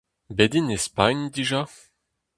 Bet int e Spagn dija ?